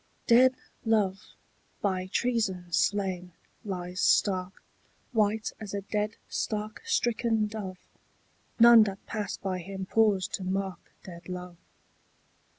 DEAD love, by treason slain, lies stark, White as a dead stark stricken dove: None that pass by him pause to mark Dead love.